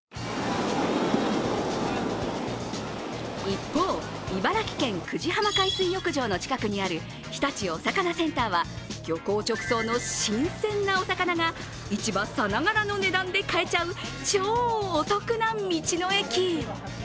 一方、茨城県久慈浜海水浴場の近くにある日立お魚センターは漁港直送の新鮮なお魚が市場さながらの値段で買えちゃう超お得な道の駅。